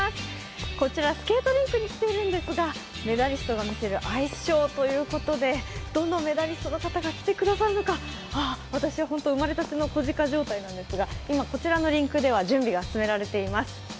こちら、スケートリンクに来ているんですが、メダリストが見せるアイスショーということでどのメダリストの方が来てくださるのか私は生まれたての子鹿状態なんですが、今こちらのリンクでは準備が進められています。